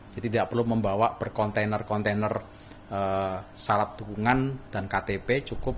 jadi tidak perlu membawa berkontainer kontainer syarat dukungan dan ktp cukup